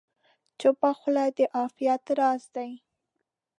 چپه خوله، د عافیت راز دی.